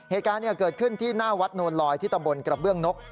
เหตุการณ์เกิดขึ้นที่หน้าวัดโนนลอยที่ตำบลกระเบื้องนก